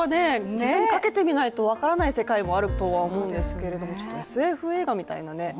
実際にかけてみないと分からない世界もあると思いますけどちょっとＳＦ映画みたいなね。